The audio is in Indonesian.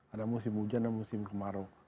ada musim hujan dan musim kemarau